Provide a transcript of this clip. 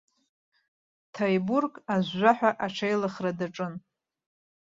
Ҭаибург ажәжәаҳәа аҽеилыхра даҿын.